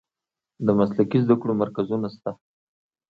د مسلکي زده کړو مرکزونه شته؟